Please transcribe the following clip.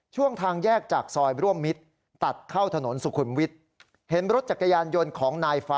ทางแยกจากซอยร่วมมิตรตัดเข้าถนนสุขุมวิทย์เห็นรถจักรยานยนต์ของนายฟ้า